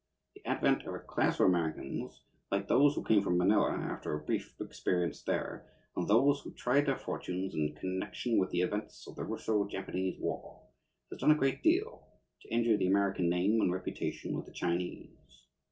The advent of a class of Americans, like those who came from Manila after a brief experience there, and those who tried their fortunes in connection with the events of the Russo Japanese War, has done a great deal to injure the American name and reputation with the Chinese.